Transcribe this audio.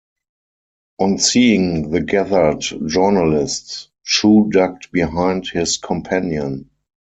On seeing the gathered journalists, Chu ducked behind his companion.